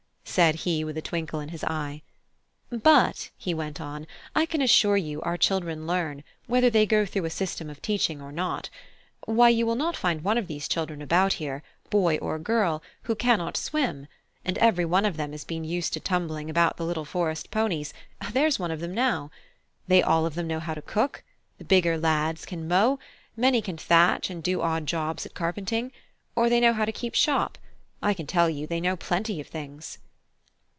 said he with a twinkle in his eye. "But," he went on, "I can assure you our children learn, whether they go through a 'system of teaching' or not. Why, you will not find one of these children about here, boy or girl, who cannot swim; and every one of them has been used to tumbling about the little forest ponies there's one of them now! They all of them know how to cook; the bigger lads can mow; many can thatch and do odd jobs at carpentering; or they know how to keep shop. I can tell you they know plenty of things."